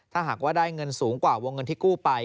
ถ้าหากว่าได้เงินสูงกว่าวงเงินที่กู้ไป